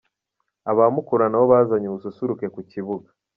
Aba Mukura na bo bazanye ubususuruke ku kibuga .